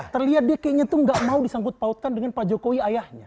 terlihat dia kayaknya tuh gak mau disangkut pautkan dengan pak jokowi ayahnya